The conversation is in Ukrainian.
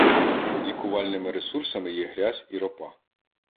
Лікувальними ресурсами є грязь і ропа.